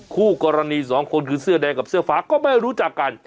คู่กรณีสองคนคือเสื้อแดงกับเสื้อฟ้าก็ไม่รู้จักกัน